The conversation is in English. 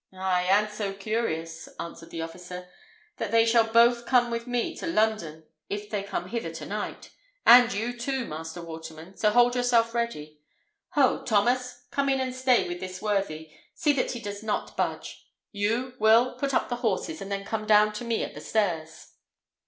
"Ay, and so curious," answered the officer, "that they shall both come with me to London if they come hither to night; and you, too, Master Waterman; so hold yourself ready. Ho, Thomas! come in and stay with this worthy. See that he does not budge. You, Will, put up the horses, and then come down to me at the stairs."